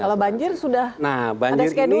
kalau banjir sudah ada schedule ya begitu